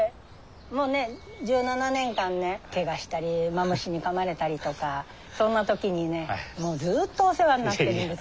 もうね１７年間ねケガしたりマムシにかまれたりとかそんな時にねもうずっとお世話になってるんです。